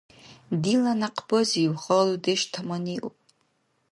Дила някъбазив хала дудеш таманиуб.